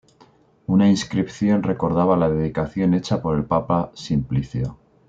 Una inscripción recordaba la dedicación hecha por el papa Simplicio.